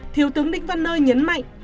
thiếu tướng đích văn nơi nhấn mạnh